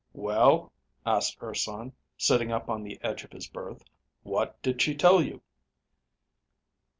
"Well?" asked Urson, sitting up on the edge of his berth. "What did she tell you?"